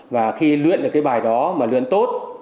và khi luyện được cái bài đó mà luyện tốt